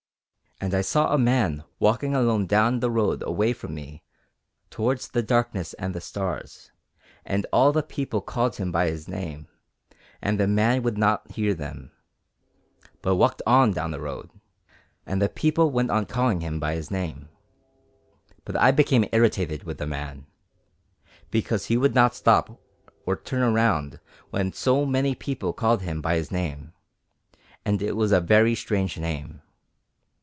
And I saw a man walking alone down the road away from me towards the darkness and the stars, and all the people called him by his name, and the man would not hear them, but walked on down the road, and the people went on calling him by his name. But I became irritated with the man because he would not stop or turn round when so many people called him by his name, and it was a very strange name.